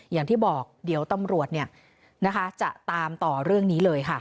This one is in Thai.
อย่างที่บอกเดี๋ยวตำรวจจะตามต่อเรื่องนี้เลยค่ะ